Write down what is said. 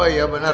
ah boy ya benar